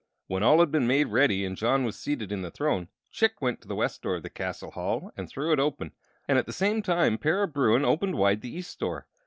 When all had been made ready and John was seated in the throne, Chick went to the west door of the castle hall and threw it open, and at the same time Para Bruin opened wide the east door.